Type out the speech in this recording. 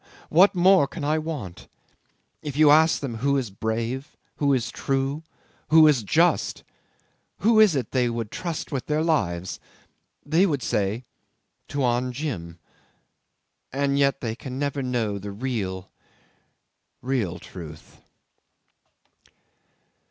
What more can I want? If you ask them who is brave who is true who is just who is it they would trust with their lives? they would say, Tuan Jim. And yet they can never know the real, real truth